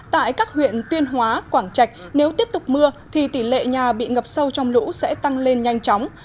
tại các huyện tuyên hóa quảng trạch nếu tiếp tục mưa thì tỷ lệ nhà bị ngập sâu trong lũ sẽ tăng lên nhanh chóng